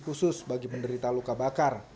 khusus bagi penderita luka bakar